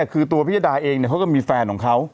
คือตัวพิยดาเองเขาก็มีแฟนของเขา